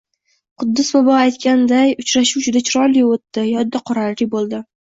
Quddus bobo aytganiday, uchrashuv juda chiroyli o‘tdi, yodda qolarli bo‘ldi